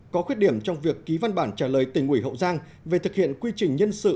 có khuyết điểm trong việc ký văn bản trả lời tỉnh ủy hậu giang về thực hiện quy trình nhân sự